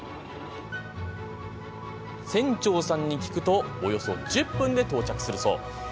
船長さんに聞くとおよそ１０分で到着するそう。